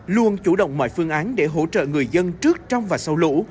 luôn chủ động mọi phương án để hỗ trợ người dân trước trong và sau lũ